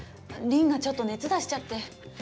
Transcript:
りんがちょっと熱出しちゃって。